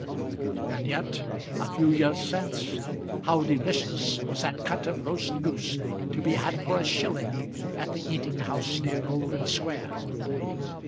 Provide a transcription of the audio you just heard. And yet a few years since how delicious was that cut of roast goose to be had for a shilling at the eating house near Golden Square.